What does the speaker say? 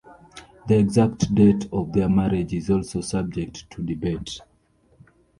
The exact date of their marriage is also subject to debate.